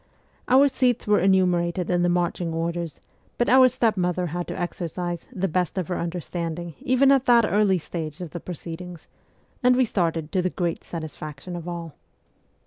Our seats were enumerated in the marching orders, but our stepmother had to exercise ' the best of her understanding ' even at that early stage of the proceedings, and we started to the great satisfaction of all.